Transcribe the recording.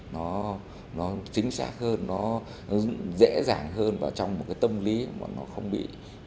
nó chính xác hơn nó dễ dàng hơn và trong một cái tâm lý mà nó không bị